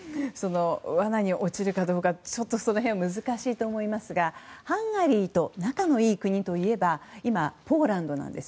罠に落ちるかどうかその辺は難しいと思いますがハンガリーと仲のいい国といえば今はポーランドなんです。